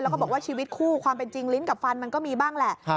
แล้วก็บอกว่าชีวิตคู่ความเป็นจริงลิ้นกับฟันมันก็มีบ้างแหละ